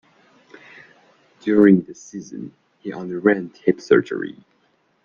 During the season he underwent hip surgery.